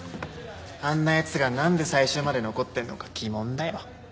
あんな奴がなんで最終まで残ってるのか疑問だよ。